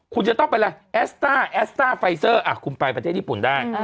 คุณจะต้องเป็นอะไรแอสต้าแอสต้าไฟเซอร์คุณไปประเทศญี่ปุ่นได้